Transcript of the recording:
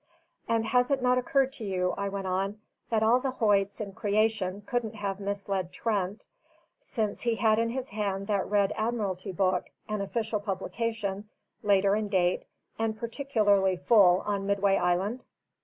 "And has it not occurred to you," I went on, "that all the Hoyts in creation couldn't have misled Trent, since he had in his hand that red admiralty book, an official publication, later in date, and particularly full on Midway Island?"